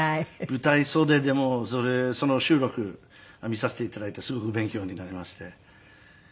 舞台袖でもその収録見させて頂いてすごく勉強になりまして。